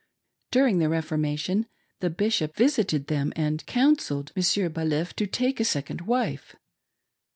During the Reformation the Bishop visited them and "counselled" Monsieur Baliff to take a second wife.